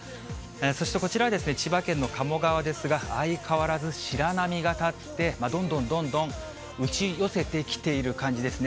そしてこちらは千葉県の鴨川ですが、相変わらず白波が立って、どんどんどんどん打ち寄せてきている感じですね。